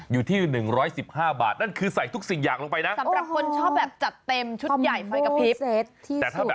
อยู่ที่๑๑๕บาทนั่นคือใส่ทุกสิ่งอย่างลงไปนะ